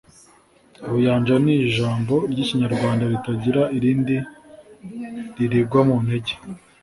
Ubuyanja ni ijambo ry’Ikinyarwanda ritagira irindi ririgwa mu ntege